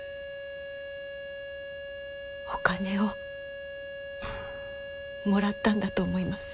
お金をもらったんだと思います。